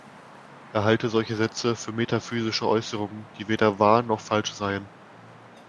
Er halte solche Sätze für metaphysische Äußerungen, die weder wahr noch falsch seien.